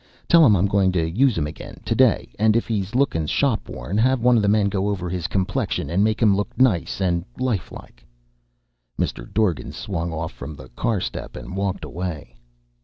Tell 'em I'm goin' to use him again to day, and if he's lookin' shop worn, have one of the men go over his complexion and make him look nice and lifelike." Mr. Dorgan swung off from the car step and walked away.